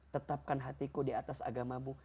tetapkan hatiku di atas agamamu